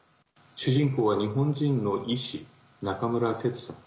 主人公は日本人の医師、中村哲さん。